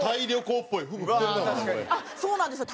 あっそうなんですよ。